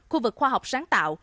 khu vực khoa học sáng tạo